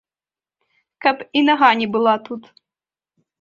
Каб і нага не была тут!